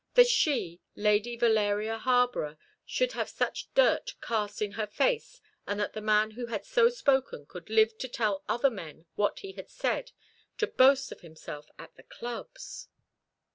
That she, Lady Valeria Harborough, should have such dirt cast in her face, and that the man who had so spoken could live to tell other men what he had said, to boast of himself at the clubs!